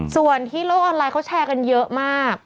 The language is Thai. ส่วนที่โลกออนไลน์เขาแชร์กันเยอะมาก